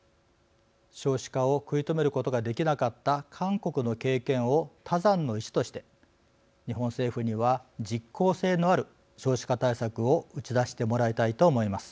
少子化を食い止めることができなかった韓国の経験を他山の石として日本政府には実効性のある少子化対策を打ち出してもらいたいと思います。